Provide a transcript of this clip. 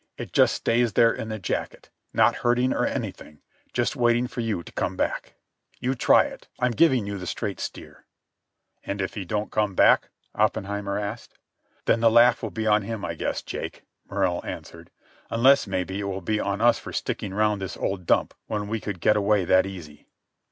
It just stays there in the jacket, not hurting or anything, just waiting for you to come back. "You try it. I am giving you the straight steer." "And if he don't come back?" Oppenheimer, asked. "Then the laugh will be on him, I guess, Jake," Morrell answered. "Unless, maybe, it will be on us for sticking round this old dump when we could get away that easy."